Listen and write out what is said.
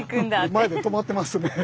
前でとまってますね。